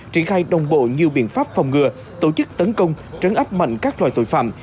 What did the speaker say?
triển khai đồng bộ nhiều biện pháp phòng ngừa tổ chức tấn công trấn áp mạnh các loại tội phạm